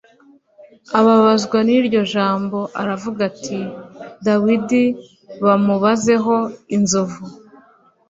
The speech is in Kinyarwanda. ababazwa n’iryo jambo aravuga ati “Dawidi bamubazeho inzovu